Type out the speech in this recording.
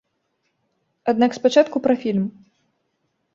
Аднак спачатку пра фільм.